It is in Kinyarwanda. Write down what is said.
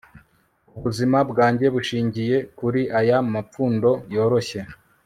Ubuzima bwanjye bushingiye kuri aya mapfundo yoroshye